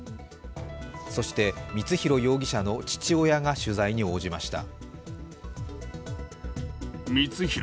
そして、光弘容疑者の父親が取材に応じました。